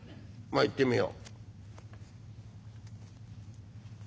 まあ行ってみよう」。